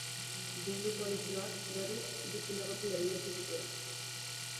Bildu koalizioak, berriz, hiru zinegotzi erdietsi zituen.